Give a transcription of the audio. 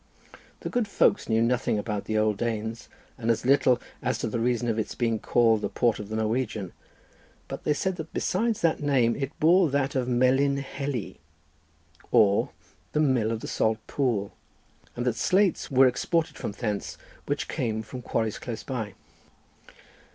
The good folks knew nothing about the old Danes, and as little as to the reason of its being called the port of the Norwegian—but they said that besides that name it bore that of Melin Heli, or the mill of the salt pool, and that slates were exported from thence, which came from quarries close by.